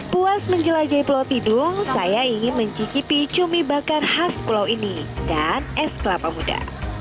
puas menjelajahi pulau tidung saya ingin mencicipi cumi bakar khas pulau ini dan es kelapa muda